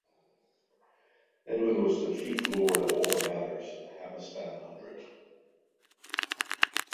Edwin was the chief lord of all the manors in the Hamestan Hundred.